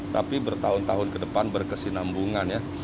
tapi bertahun tahun ke depan berkesinambungan ya